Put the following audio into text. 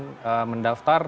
nanti kita akan mencari pilihan